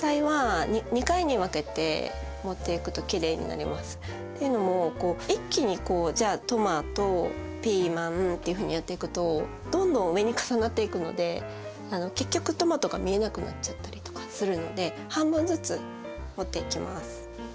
残りのというのも一気にじゃあトマトピーマンっていうふうにやっていくとどんどん上に重なっていくので結局トマトが見えなくなっちゃったりとかするので半分ずつ盛っていきます。